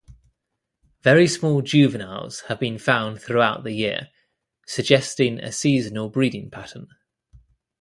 Very small juveniles have been found throughout the year, suggesting a seasonal breeding pattern.